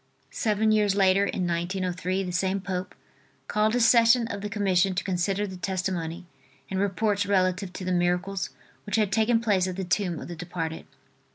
Seven years later, in 1903, the same Pope called a session of the commission to consider the testimony and reports relative to the miracles which had taken place at the tomb of the departed.